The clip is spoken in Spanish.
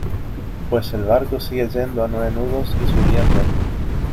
pues el barco sigue yendo a nueve nudos y subiendo.